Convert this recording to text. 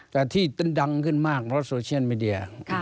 แต่ที่ดังขึ้นมากเพราะโซเชียลมีเดีย